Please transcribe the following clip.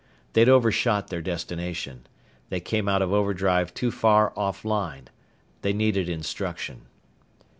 They'd overshot their destination. They came out of overdrive too far off line. They needed instruction.